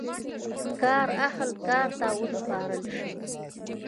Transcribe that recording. کار اهل کار ته وسپارل شي.